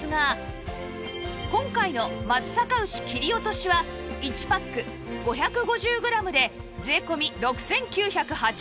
今回の松阪牛切り落としは１パック５５０グラムで税込６９８０円